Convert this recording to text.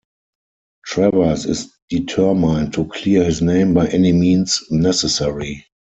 Travers is determined to clear his name by any means necessary.